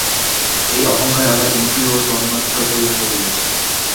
এই অহঙ্কার আবার ইন্দ্রিয় ও তন্মাত্রয় পরিণত হইয়াছে।